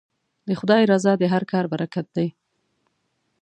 د خدای رضا د هر کار برکت دی.